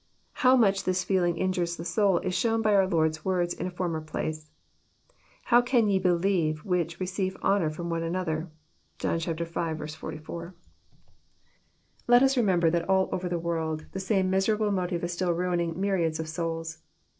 How much this feeling injures the soul is shown by our Lord's words in a former place :" How can ye believe which receive honour one ftom another?" (John y. 44.) Let us remember that all over the world the same miserable motive is still mining myriads of souls.